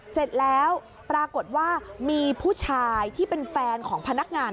เสร็จแล้วปรากฏว่ามีผู้ชายที่เป็นแฟนของพนักงาน